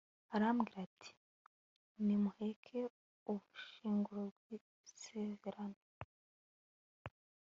arababwira ati nimuheke ubushyinguro bw'isezerano